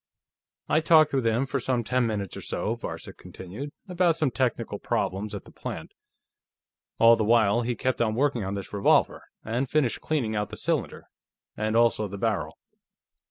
"I talked with him for some ten minutes or so," Varcek continued, "about some technical problems at the plant. All the while, he kept on working on this revolver, and finished cleaning out the cylinder, and also the barrel.